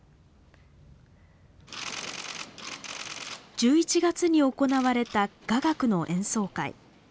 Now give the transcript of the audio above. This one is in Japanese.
１１月に行われた雅楽の演奏会。